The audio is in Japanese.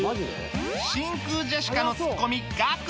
真空ジェシカのツッコミガク